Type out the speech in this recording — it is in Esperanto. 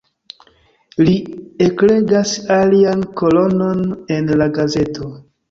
Li eklegas alian kolonon en la gazeto.